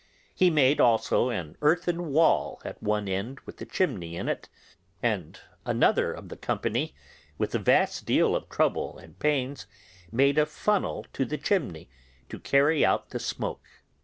He made, also, an earthen wall at one end with a chimney in it, and another of the company, with a vast deal of trouble and pains, made a funnel to the chimney to carry out the smoke.